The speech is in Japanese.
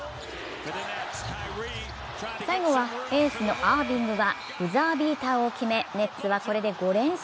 最後はエースのアービングがブザービーターを決めネッツはこれで５連勝。